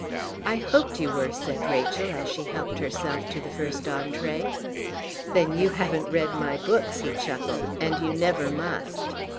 "I hoped you were," said Rachel, as she helped herself to the first entrée. "Then you haven't read my books," he chuckled, "and you never must."